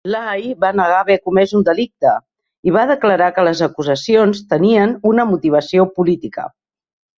Lai va negar haver comès un delicte i va declarar que les acusacions tenien una motivació política.